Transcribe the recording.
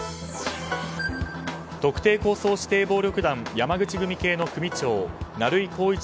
特定抗争指定暴力団山口組系の組長成井宏一